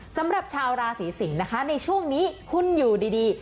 สำหรับชาวราศีสิงศ์นะคะในช่วงนี้คุณอยู่ดี